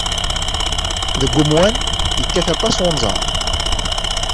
Deg umwan, yekkat aṭas unẓar.